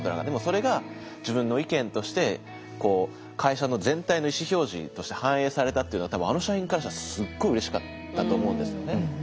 でもそれが自分の意見として会社の全体の意思表示として反映されたっていうのは多分あの社員からしたらすごいうれしかったと思うんですよね。